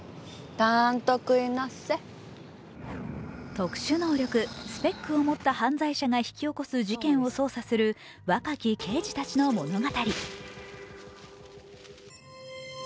特殊能力ＳＰＥＣを持った犯罪者が引き起こす事件を捜査する若き刑事たちの物語。